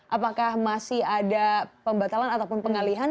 apakah masih ada pembatalan ataupun pengalihan